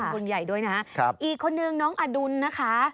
คนใหญ่ด้วยนะครับอีกคนนึงน้องอดุลนะคะ